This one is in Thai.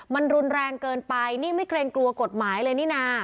มันรุนแรงเกินไปนี่ไม่เกรงกลัวกฎหมายเลยนี่นะ